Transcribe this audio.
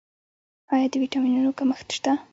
آیا د ویټامینونو کمښت شته؟